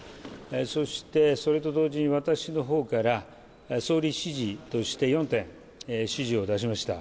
そして、それと同時に私の方から総理指示として４点、指示を出しました。